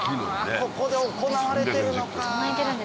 ここで行われてるのか！